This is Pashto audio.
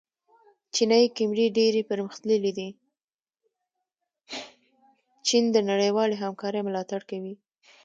چین د نړیوالې همکارۍ ملاتړ کوي.